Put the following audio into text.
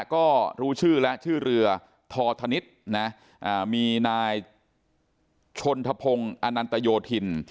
ก็รู้ชื่อแล้วชื่อเรือทอธนิษฐ์นะมีนายชนทพงศ์อนันตโยธิน